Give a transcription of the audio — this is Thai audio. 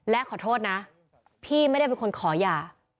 และขอโทษนะพี่ไม่ได้เป็นคนขอหย่า